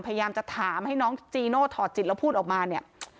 พยายามจะถามให้น้องจีโน่ถอดจิตแล้วพูดออกมาเนี่ย